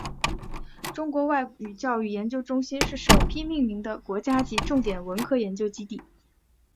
中国外语教育研究中心是首批命名的国家级重点文科研究基地。